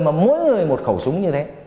mà mỗi người một khẩu súng như thế